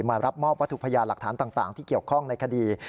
มารับมอบวัตถุพยานหลักฐานต่างที่เกี่ยวข้องในคดี